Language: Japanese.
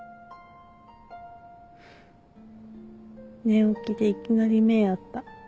寝起きでいきなり目合った。